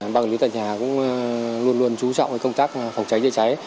băng lý tòa nhà cũng luôn luôn trú trọng công tác phòng cháy cháy cháy